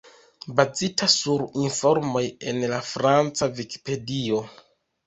Bazita sur informoj en la franca Vikipedio.